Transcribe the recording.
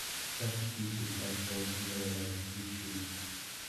Such tissues are called mineralized tissues.